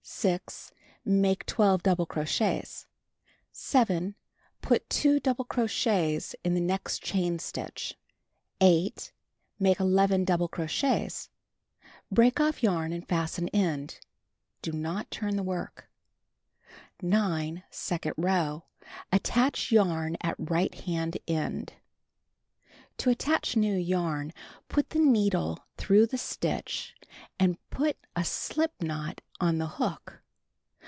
6. Make 12 double crochets. 7. Put 2 double crochets in the next chain stitch. 8. Make 11 double crochets. Break off yarn and fasten end. the work. 9. Second row: Attach yarn at right hand end. Do not turn To Attach New Yarn Put the needle through the stitch and put a slip knot on the hook.